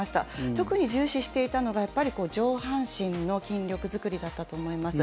特に重視していたのが上半身の筋力作りだったと思います。